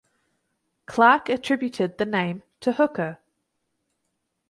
Clarke attributed the name to Hooker.